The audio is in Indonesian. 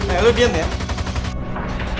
eh lu biar dia